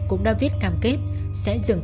cũng đã viết cam kết sẽ dừng